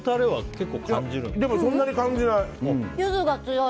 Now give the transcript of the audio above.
でもそんなに感じない。